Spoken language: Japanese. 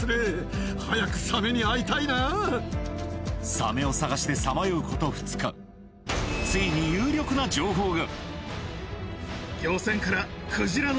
サメを探してさまようこと２日ついにきっと。